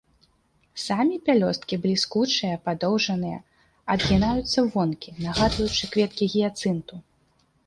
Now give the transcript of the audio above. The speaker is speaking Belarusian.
Самі пялёсткі бліскучыя, падоўжаныя, адгінаюцца вонкі, нагадваючы кветкі гіяцынту.